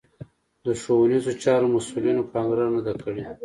د ښوونیزو چارو مسوولینو پاملرنه نه ده کړې